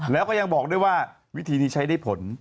แล้วก็ยังบอกด้วยว่าวิธีนี้ใช้ได้ผล